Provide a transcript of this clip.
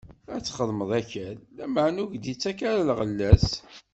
Ad txeddmeḍ akal, lameɛna ur k-d-ittak ara lɣella-s.